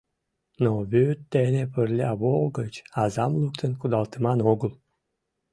Но вӱд дене пырля вол гыч азам луктын кудалтыман огыл!